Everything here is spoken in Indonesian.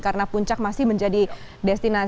karena puncak masih menjadi destinasi